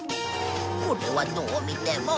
これはどう見ても。